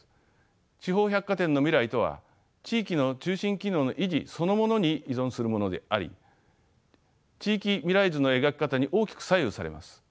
地方百貨店の未来とは地域の中心機能の維持そのものに依存するものであり地域未来図の描き方に大きく左右されます。